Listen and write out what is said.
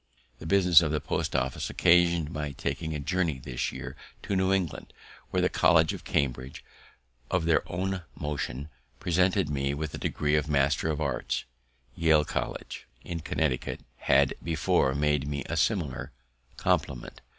The business of the post office occasion'd my taking a journey this year to New England, where the College of Cambridge, of their own motion, presented me with the degree of Master of Arts. Yale College, in Connecticut, had before made me a similar compliment.